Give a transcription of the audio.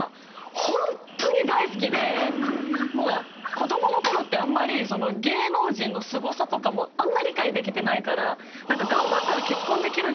子供の頃ってあんまり芸能人のすごさとかもあんま理解できてないから。